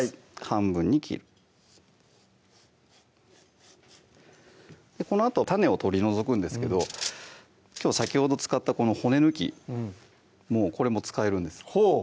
半分に切るこのあと種を取り除くんですけどきょう先ほど使ったこの骨抜きもうこれも使えるんですほう